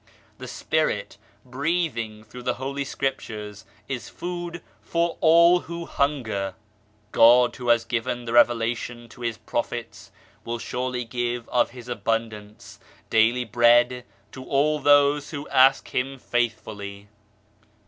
The Spirit breathing through the Holy Scriptures is food for all who hunger. God Who has given the revela tion to His Prophets will surely give of His abundance daily bread to all those who ask Him faithfully.